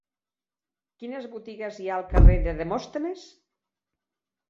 Quines botigues hi ha al carrer de Demòstenes?